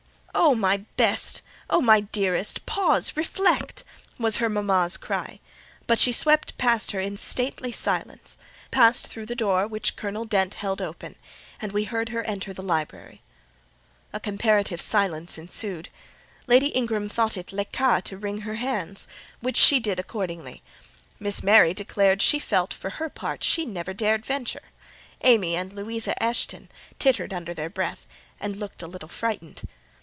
"Oh, my best! oh, my dearest! pause—reflect!" was her mama's cry; but she swept past her in stately silence, passed through the door which Colonel Dent held open, and we heard her enter the library. A comparative silence ensued. Lady Ingram thought it "le cas" to wring her hands: which she did accordingly. Miss Mary declared she felt, for her part, she never dared venture. Amy and Louisa Eshton tittered under their breath, and looked a little frightened.